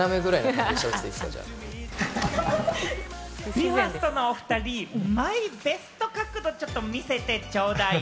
ＢＥ：ＦＩＲＳＴのおふたり、マイベスト角度ちょっと見せてちょうだい。